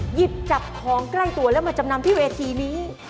หยิบจับของใกล้ตัวแล้วมาจำนำที่เวทีนี้